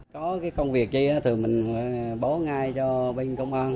có cái công việc kia thì mình báo ngay cho bên công an